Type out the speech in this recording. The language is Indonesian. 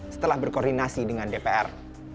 setelah berkoordinasi dengan dpr